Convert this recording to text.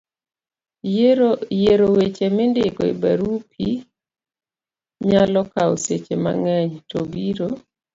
yiero weche mindiko e barupi nyalo kawo seche mang'eny to biro